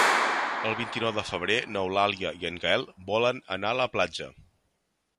El vint-i-nou de febrer n'Eulàlia i en Gaël volen anar a la platja.